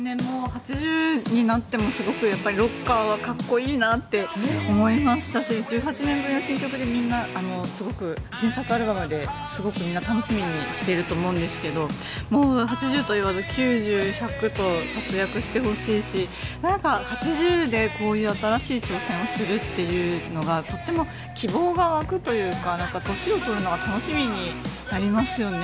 ８０になってもすごくロッカーはかっこいいなって思いましたし１８年ぶりの新曲でみんなすごく新作アルバムですごくみんな楽しみにしていると思うんですけど８０といわず９０、１００と活躍してほしいし８０でこういう新しい挑戦をするというのがとっても希望が湧くというか年を取るのが楽しみになりますよね。